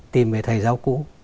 tìm về thầy giáo cũ